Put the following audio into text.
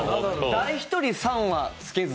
誰１人、さんはつけず。